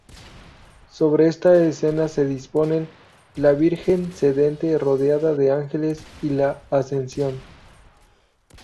Sobre esta escena se disponen la Virgen sedente rodeada de ángeles y la Ascensión.